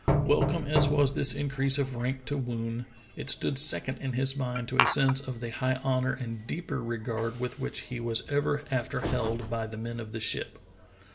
Wel come as was this increase of rank to Woon, it stood second in his mind to a sense of the high honor and deeper regard with which he was ever after held by the men of the ship.